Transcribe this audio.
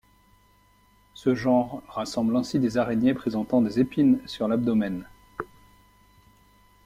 Ce genre rassemble ainsi des araignées présentant des épines sur l'abdomen.